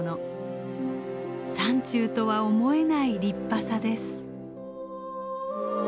山中とは思えない立派さです。